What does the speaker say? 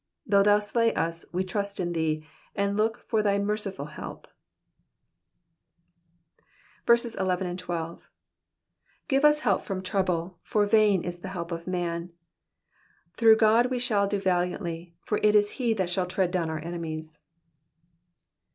Though thou slay us, we will trust in thee, and look for thy merciful help. 11 Give us help from trouble : for vain is the help of man. 12 Through God we shall do valiantly : for he ii is that shall tread down our enemies.